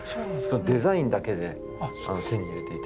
デザインだけで手に入れていて。